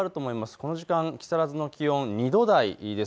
この時間、木更津の気温は２度台です。